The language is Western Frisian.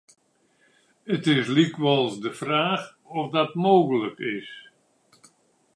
It is lykwols de fraach oft dat mooglik is.